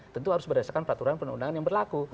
tentu harus berdasarkan peraturan perundangan yang berlaku